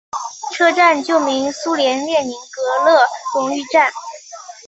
车站旧名苏联列宁格勒荣誉站。